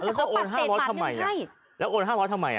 แล้วจะโอนห้าร้อยทำไมอ่ะแล้วโอนห้าร้อยทำไมอ่ะ